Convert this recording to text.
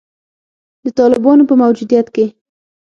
د طالبانو په موجودیت کې